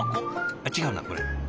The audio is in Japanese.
あっ違うなこれ。